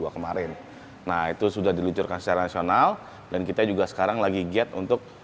dua ribu dua puluh dua kemarin nah itu sudah diluncurkan secara nasional dan kita juga sekarang lagi get untuk